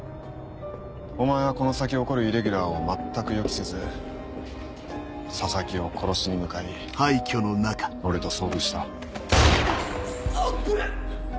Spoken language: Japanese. お前はこの先起こるイレギュラーを全く予期せず佐々木を殺しに向かい俺と遭遇した。